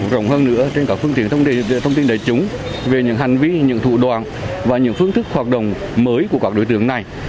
rộng hơn nữa trên các phương tiện thông tin đại chúng về những hành vi những thủ đoạn và những phương thức hoạt động mới của các đối tượng này